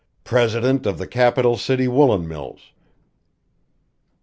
"President of the Capitol City Woolen Mills.